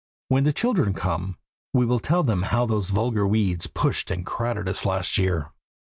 When the children come, we will tell them how those vulgar weeds pushed and crowded us last year."